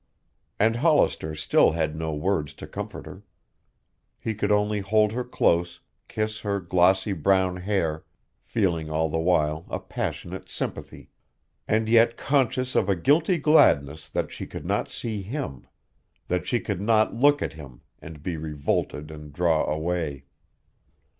And Hollister still had no words to comfort her. He could only hold her close, kiss her glossy brown hair, feeling all the while a passionate sympathy and yet conscious of a guilty gladness that she could not see him that she could not look at him and be revolted and draw away.